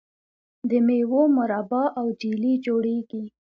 د میوو مربا او جیلی جوړیږي.